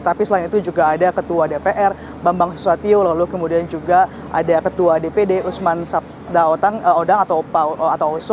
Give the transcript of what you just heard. tapi selain itu juga ada ketua dpr bambang susatyo lalu kemudian juga ada ketua dpd usman sabda odang atau oso